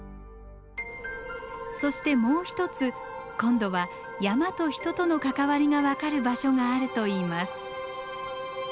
そしてもう一つ今度は山と人との関わりが分かる場所があるといいます。